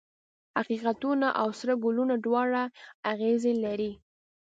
حقیقتونه او سره ګلونه دواړه اغزي لري.